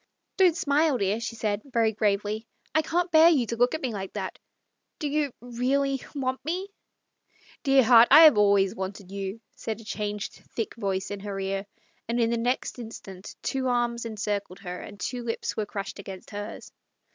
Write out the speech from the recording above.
" Don't smile, dear," she said very gravely. "I can't bear you to look at me like that. Do you — really — want me ?"" Dear heart, I have always wanted you," said a changed, thick voice in her ear, and in the next instant two arms encircled her, and two lips were crushed against hers.